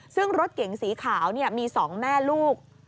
ซึ่งรถเก๋งสีขาวมี๒แม่ลูก